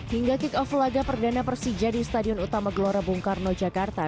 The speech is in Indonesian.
hingga kick off laga perdana persija di stadion utama gelora bung karno jakarta